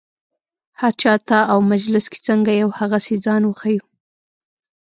هر چا ته او مجلس کې څنګه یو هغسې ځان وښیو.